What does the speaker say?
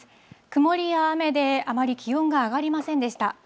曇りや雨であまり気温が上がりませんでした。